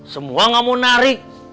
semua nggak mau narik